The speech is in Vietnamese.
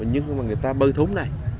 nhưng mà người ta bơi thúng này